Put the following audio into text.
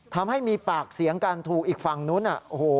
ทำให้มีปากเสียงกันถูกอีกฝั่งนู้นโอ้โห